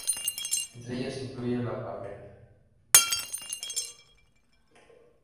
Entre ellas se incluye La Palmera.